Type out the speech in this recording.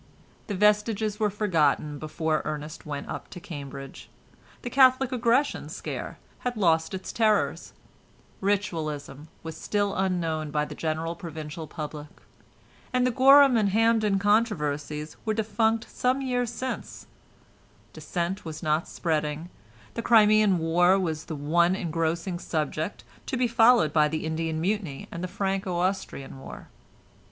The "Vestiges" were forgotten before Ernest went up to Cambridge; the Catholic aggression scare had lost its terrors; Ritualism was still unknown by the general provincial public, and the Gorham and Hampden controversies were defunct some years since; Dissent was not spreading; the Crimean war was the one engrossing subject, to be followed by the Indian Mutiny and the Franco Austrian war.